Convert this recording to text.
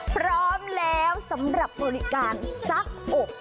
พร้อมแล้วสำหรับบริการซักอบ